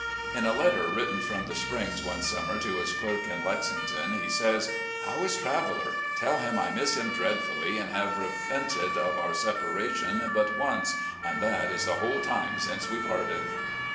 In a letter written from the Springs one summer, to his clerk in Lexington, he says: 264 MOUNTAIN RIDES 265 "How is Traveller? Tell him I miss him dreadfully, and have repented of ottr separation but once — and that is the whole time since we parted."